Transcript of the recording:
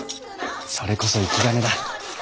それこそ生き金だ。